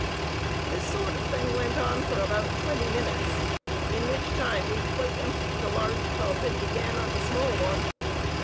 This sort of thing went on for about twenty minutes, in which time we quite emptied the large tub and began on the small one.